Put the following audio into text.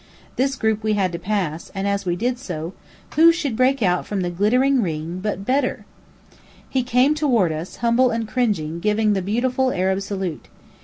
This group we had to pass, and as we did so, who should break out from the glittering ring but Bedr. He came toward us, humble and cringing, giving the beautiful Arab salute.